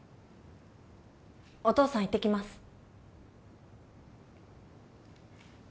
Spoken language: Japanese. お父さん行ってきます